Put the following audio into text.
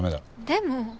でも。